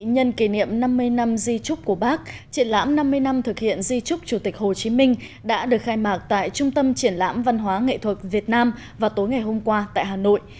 nhân kỷ niệm năm mươi năm di trúc của bác triển lãm năm mươi năm thực hiện di trúc chủ tịch hồ chí minh đã được khai mạc tại trung tâm triển lãm văn hóa nghệ thuật việt nam vào tối ngày hôm qua tại hà nội